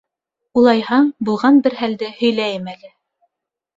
Улайһа, булған бер хәлде һөйләйем әле...